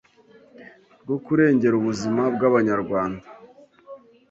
rwo kurengera ubuzima bw’Abanyarwanda